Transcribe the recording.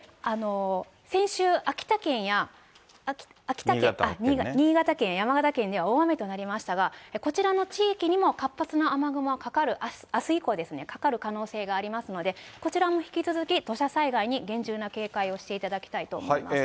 先週、秋田県や新潟県、山形県では大雨となりましたが、こちらの地域にも活発な雨雲がかかる、あす以降ですね、かかる可能性がありますので、こちらも引き続き、土砂災害に厳重な警戒をしていただきたいと思います。